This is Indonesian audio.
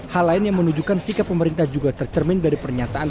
hal lain yang menunjukkan sikap pemerintah juga tercermin dari pernyataan